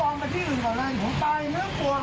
อะไรนะมิตต้องยุ่งไอ้ใจผมคนเสียหายครับ